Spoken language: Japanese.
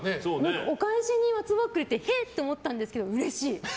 お返しに松ぼっくりってへ？って思ったんですけどうれしい。